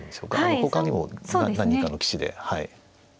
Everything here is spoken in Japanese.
ほかにも何人かの棋士ではい。